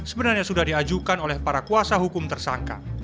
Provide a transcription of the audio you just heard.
sebenarnya sudah diajukan oleh para kuasa hukum tersangka